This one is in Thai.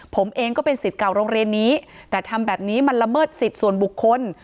ผมเองก็เป็นสิทธิ์เก่าโรงเรียนนี้แต่ทำแบบนี้มันละเมิดสิทธิ์ส่วนบุคคล